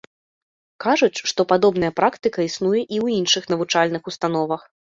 Кажуць, што падобная практыка існуе і ў іншых навучальных установах.